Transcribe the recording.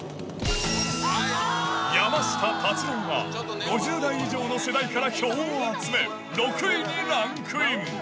山下達郎は、５０代以上の世代から票を集め、６位にランクイン。